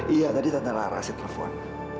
iya tadi tante laras yang telepon